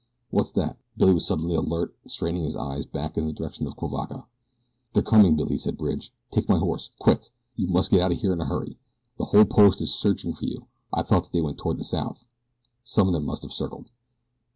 What's that?" Billy was suddenly alert, straining his eyes back in the direction of Cuivaca. "They're coming, Billy," said Bridge. "Take my horse quick! You must get out of here in a hurry. The whole post is searching for you. I thought that they went toward the south, though. Some of them must have circled."